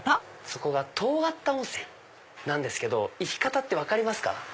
そこが遠刈田温泉なんですけど行き方って分かりますか？